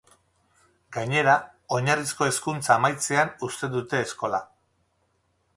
Gainera, oinarrizko hezkuntza amaitzean uzten dute eskola.